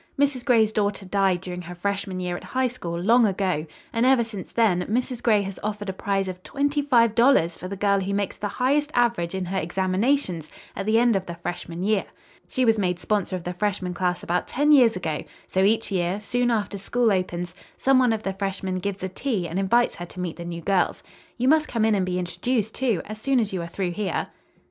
"Mrs. Gray's daughter died during her freshman year at High School, long ago, and ever since then, Mrs. Gray has offered a prize of twenty five dollars for the girl who makes the highest average in her examinations at the end of the freshman year. She was made sponsor of the freshman class about ten years ago, so each year, soon after school opens, some one of the freshmen gives a tea and invites her to meet the new girls. You must come in and be introduced, too, as soon as you are through here."